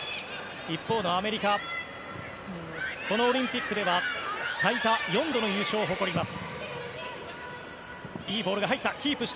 一方のアメリカこのオリンピックでは最多４度の優勝を誇ります。